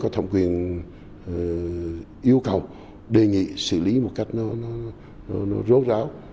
có thẩm quyền yêu cầu đề nghị xử lý một cách rốt ráo